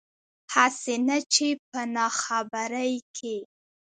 هسې نه چې پۀ ناخبرۍ کښې